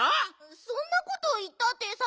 そんなこといったってさ。